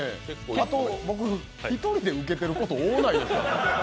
あと、僕、１人で受けてること多ないですか？